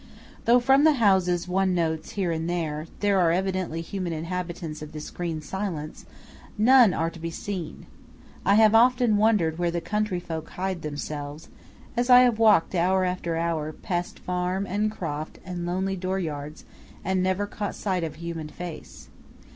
Though, from the houses one notes here and there, there are evidently human inhabitants of this green silence, none are to be seen. I have often wondered where the countryfolk hide themselves, as I have walked hour after hour, past farm and croft and lonely door yards, and never caught sight of a human face.